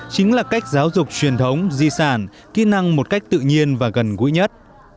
chính là cách giáo dục truyền thống di sản kỹ năng một cách tự nhiên và gần gũi nhất